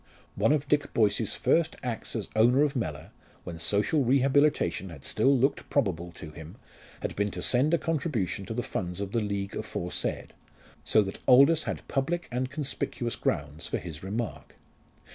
One of Dick Boyce's first acts as owner of Mellor, when social rehabilitation had still looked probable to him, had been to send a contribution to the funds of the League aforesaid, so that Aldous had public and conspicuous grounds for his remark.